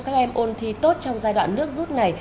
các em ôn thi tốt trong giai đoạn nước rút này